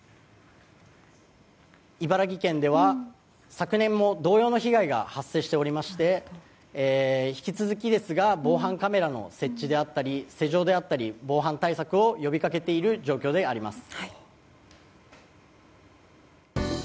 茨城県では昨年も同様の被害が発生しておりまして引き続きですが防犯カメラの設置であったり施錠であったり、防犯対策を呼びかけている状況であります。